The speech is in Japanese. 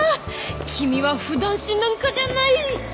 君は腐男子なんかじゃない！